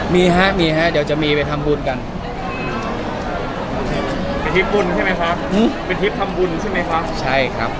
ได้เหมือนจะมีแฟนมิตติ้งได้ฮะ